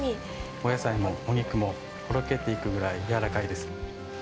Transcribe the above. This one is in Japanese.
お野菜もお肉もほろけていくぐらいやわらかいです。